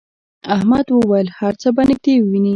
احمد وویل هر څه به نږدې ووینې.